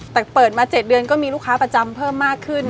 แต่เปิดมา๗เดือนก็มีลูกค้าประจำเพิ่มมากขึ้น